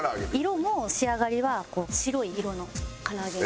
色も仕上がりは白い色の唐揚げなんです。